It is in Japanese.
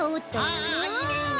ああいいねいいね。